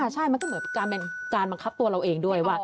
ใช่มันก็เหมือนการมังครับตัวเราเองด้วยว่ะ